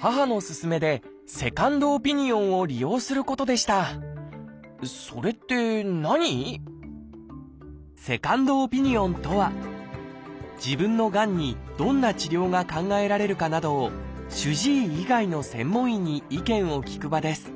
母の勧めでセカンドオピニオンを利用することでした「セカンドオピニオン」とは自分のがんにどんな治療が考えられるかなどを主治医以外の専門医に意見を聞く場です